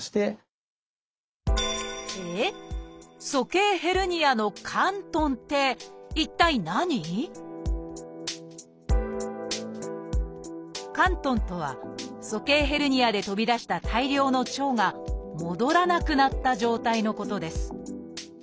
鼠径ヘルニアの「嵌頓」とは鼠径ヘルニアで飛び出した大量の腸が戻らなくなった状態のことです。